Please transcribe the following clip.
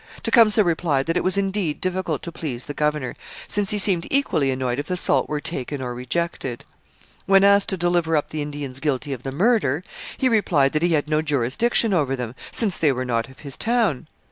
Tecumseh replied that it was indeed difficult to please the governor, since he seemed equally annoyed if the salt were taken or rejected. When asked to deliver up the Indians guilty of the murder, he replied that he had no jurisdiction over them, since they were not of his town.